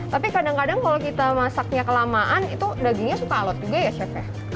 tapi kadang kadang kalau kita masaknya kelamaan itu dagingnya suka alot juga ya chef ya